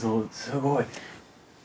すごい。